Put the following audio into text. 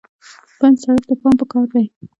بند سړک ته پام پکار دی.